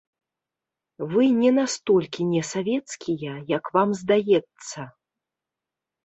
Вы не настолькі несавецкія, як вам здаецца.